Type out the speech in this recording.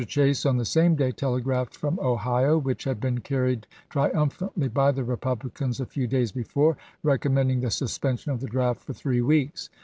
Chase, on the same day, tele graphed from Ohio, which had been carried tri umphantly by the Eepublicans a few days before, recommending the suspension of the draft for three ms, weeks.